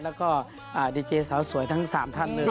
แล้วก็ดีเจสาวสวยทั้ง๓ท่านเลย